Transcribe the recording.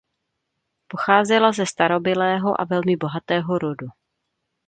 Pocházela ze starobylého a velmi bohatého rodu.